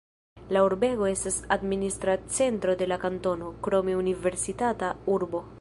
La urbego estas administra centro de la kantono, krome universitata urbo.